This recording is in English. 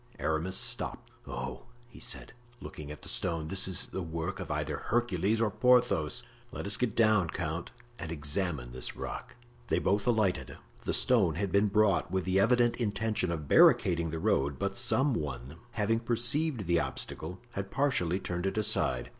Aramis stopped. "Oh!" he said, looking at the stone, "this is the work of either Hercules or Porthos. Let us get down, count, and examine this rock." They both alighted. The stone had been brought with the evident intention of barricading the road, but some one having perceived the obstacle had partially turned it aside.